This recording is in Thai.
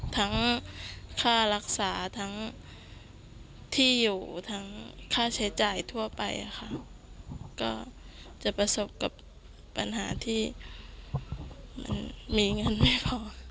ทั้งค่ารักษาทั้งที่อยู่ทั้งค่าใช้จ่ายทั่วไปค่ะก็จะประสบกับปัญหาที่มันมีเงินไม่พอ